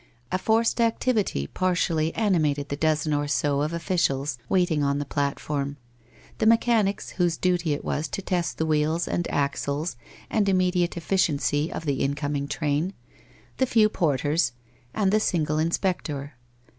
A forced activity partially animated the dozen or so of officials waiting on the platform, the mechanics whose duty it was to test the wheels and axles and immediate efficiency of the incoming train, the few porters and the single inspector.